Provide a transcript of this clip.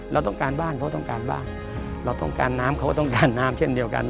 เราต้องการบ้านเขาต้องการบ้านเราต้องการน้ำเขาก็ต้องการน้ำเช่นเดียวกัน